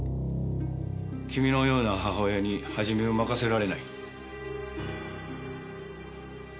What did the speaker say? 君のような母親に元を任せられない。